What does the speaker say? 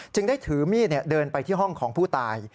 ได้ถือมีดเดินไปที่ห้องของผู้ตาย